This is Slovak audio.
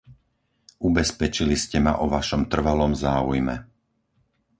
Ubezpečili ste ma o vašom trvalom záujme.